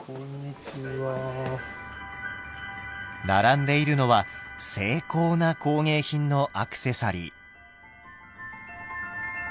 並んでいるのは精巧な工芸品のアクセサリー。